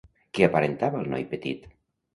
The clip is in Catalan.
Què aparentava el noi petit?